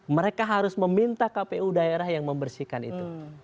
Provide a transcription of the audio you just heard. mereka harus meminta kpu daerah yang membersihkan itu